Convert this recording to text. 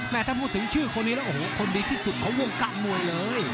ถ้าพูดถึงชื่อคนนี้แล้วโอ้โหคนดีที่สุดของวงการมวยเลย